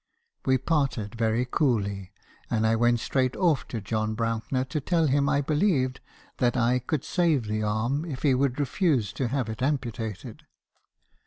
We parted very coolly; and I went straight off to John Brouncker to tell him I believed that I could save the arm , if he would refuse to have it amputated.